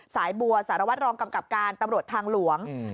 สายบัวสารวัตรรองกำกับการตำรวจทางหลวง